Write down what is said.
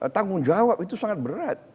tanggung jawab itu sangat berat